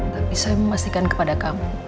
tapi saya memastikan kepada kamu